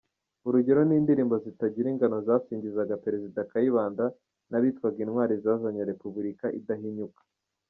Urugero ni indirimbo zitagira ingano zasingizaga Perezida Kayibanda n’abitwaga intwari zazanye Repubulika ‘idahinyuka’.